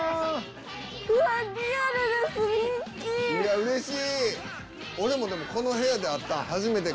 うれしい。